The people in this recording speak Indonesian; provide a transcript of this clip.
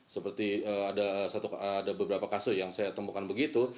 seperti ada beberapa kasus yang saya temukan begitu